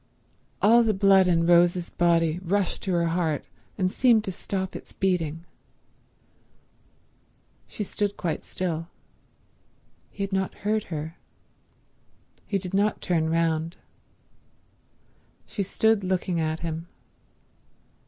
All the blood in Rose's body rushed to her heart and seemed to stop its beating. She stood quite still. He had not heard her. He did not turn round. She stood looking at him.